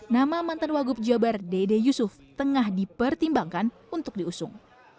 nama mantan wagub jabar dede yusuf tengah dipertimbangkan untuk diusung